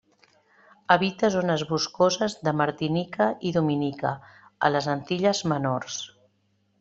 Habita zones boscoses de Martinica i Dominica, a les Antilles Menors.